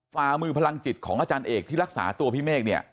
ฝ่ามือพลังจิตของอาจารย์เอกที่รักษาตัวพี่เมฆเนี่ย